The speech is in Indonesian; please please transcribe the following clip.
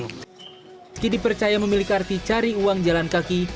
meski dipercaya memiliki arti cari uang jalan kaki